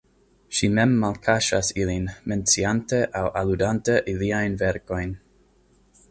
Ŝi mem malkaŝas ilin, menciante aŭ aludante iliajn verkojn.